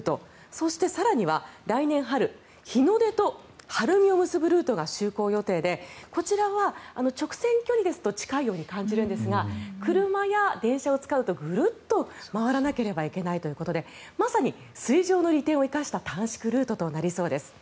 そして、更には来年春日の出と晴海を結ぶルートが就航予定でこちらは直線距離ですと近いように感じるんですが車や電車を使うとぐるっと回らないといけないということでまさに水上の利点を生かした短縮ルートとなりそうです。